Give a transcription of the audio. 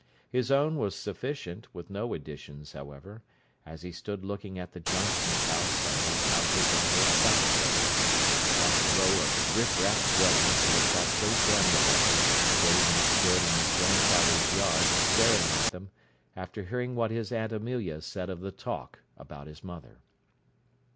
His own was sufficient, with no additions, however, as he stood looking at the Johnsons' house and those houses on both sides of it—that row of riffraff dwellings he had thought so damnable, the day when he stood in his grandfather's yard, staring at them, after hearing what his Aunt Amelia said of the "talk" about his mother.